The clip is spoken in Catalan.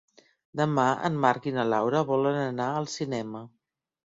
Demà en Marc i na Laura volen anar al cinema.